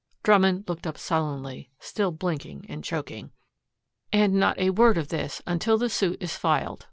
Drummond looked up sullenly, still blinking and choking. "And not a word of this until the suit is filed.